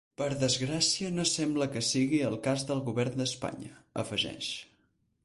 Per desgràcia, no sembla que sigui el cas del govern d’Espanya, afegeix.